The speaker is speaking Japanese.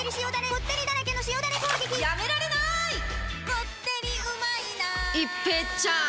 こってりうまいな一平ちゃーん！